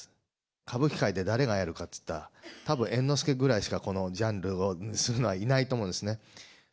歌舞伎界で誰がやるかっていったら、たぶん、猿之助ぐらいしかこのジャンルをするのはいないと思うんですね。